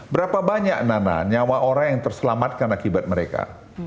berapa banyak nana nyawa orang yang terselamatkan akibat mereka